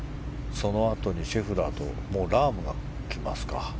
そのあとにシェフラーとラームがきますか。